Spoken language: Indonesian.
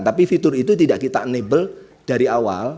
tapi fitur itu tidak kita enable dari awal